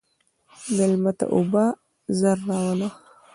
مېلمه ته اوبه ژر راوله.